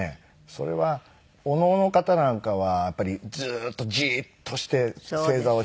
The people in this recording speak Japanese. それはお能の方なんかはやっぱりずっとじーっとして正座をしているとかこう。